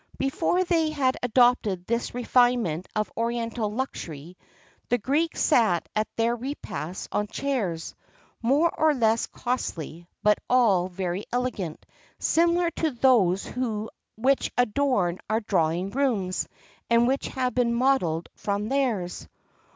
[XXXII 42] Before they had adopted this refinement of oriental luxury, the Greeks sat at their repasts on chairs, more or less costly, but all very elegant, similar to those which adorn our drawing rooms, and which have been modelled from theirs.